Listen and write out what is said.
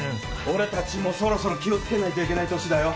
俺たちもそろそろ気を付けないといけない年だよ。